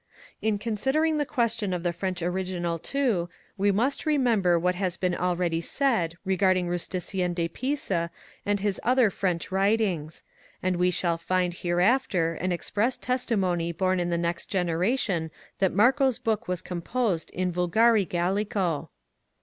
In considering the question of the French original too we must remember what has been already said regarding Rusticien de Pise and his other French writings ; and we shall find hereafter an express testimony borne in the next generation that Marco's Book was composed in viilgari Gallico.